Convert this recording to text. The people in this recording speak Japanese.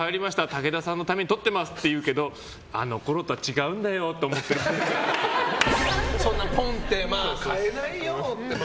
武田さんのためにとってますというけどあのころとは違うんだよとそんなポンって買えないよって。